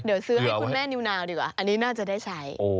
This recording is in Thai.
เดี๋ยวซื้อให้คุณแม่นิวนาวดีกว่าอันนี้น่าจะได้ใช้